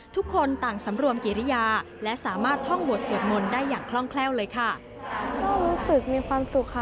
ทุกคนต่างสำรวมกิริยาและสามารถท่องบวชสวดมนต์ได้อย่างคล่องแคล่วเลยค่ะ